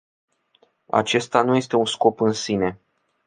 Acesta nu este un scop în sine.